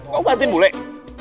kau bantuin bu lek